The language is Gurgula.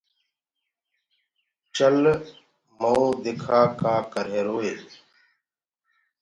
چل مئو دکآ ڪآ ڪريهروئي